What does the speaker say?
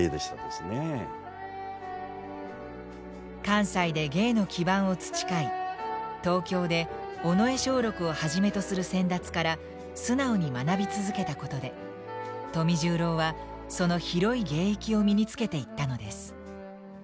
関西で芸の基盤を培い東京で尾上松緑をはじめとする先達から素直に学び続けたことで富十郎はその広い芸域を身につけていったのです。